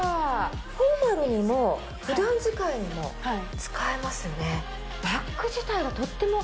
フォーマルにも普段使いにも使えますね。